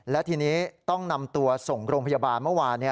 และทีนี้ต้องนำตัวส่งโรงพยาบาลเมื่อวาน